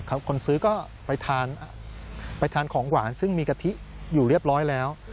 คนซื้อก็ไปทานของหวานซึ่งมีกะทิอยู่เรียบร้อยแล้ว